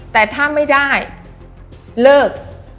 แต่ถ้าไม่ได้เลิก